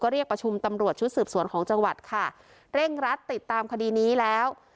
เรียกประชุมตำรวจชุดสืบสวนของจังหวัดค่ะเร่งรัดติดตามคดีนี้แล้ว